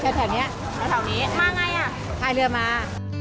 เนี่ยแถวนี้มาไงอ่ะขายเรือมา